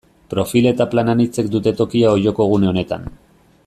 Profil eta plan anitzek dute tokia Olloko gune honetan.